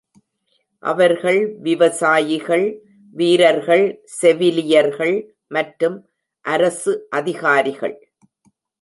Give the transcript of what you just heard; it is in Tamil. அவர்கள் விவசாயிகள், வீரர்கள், செவிலியர்கள் மற்றும் அரசு அதிகாரிகள்.